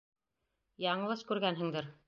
Яңылыш күргәнһеңдер.